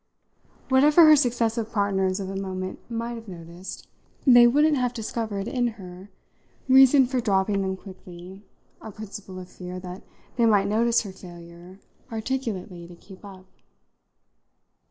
Whatever her successive partners of a moment might have noticed, they wouldn't have discovered in her reason for dropping them quickly a principle of fear that they might notice her failure articulately to keep up.